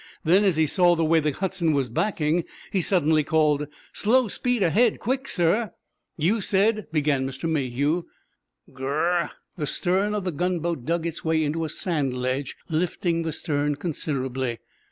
Then, as he saw the way the "Hudson" was backing, he suddenly called: "Slow speed ahead, quick, sir!" "You said—" began Mr. Mayhew. Gr r r r! The stern of the gunboat dug its way into a sand ledge, lifting the stern considerably.